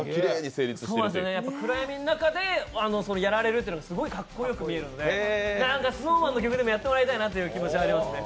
暗闇の中でやられるのがかっこよく見えるのでなんかＳｎｏｗＭａｎの曲でもやってもらいたいなというのはありますね。